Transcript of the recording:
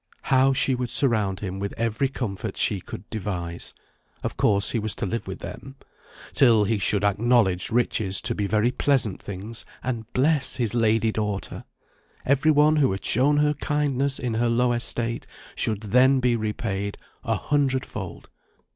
How she would surround him with every comfort she could devise (of course, he was to live with them), till he should acknowledge riches to be very pleasant things, and bless his lady daughter! Every one who had shown her kindness in her low estate should then be repaid a hundred fold.